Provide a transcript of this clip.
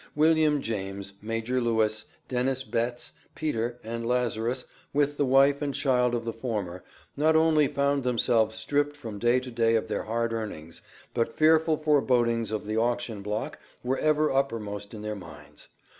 Wm. James, Major Lewis, Dennis Betts, Peter, and Lazarus, with the wife and child of the former, not only found themselves stripped from day to day of their hard earnings, but fearful forebodings of the auction block were ever uppermost in their minds.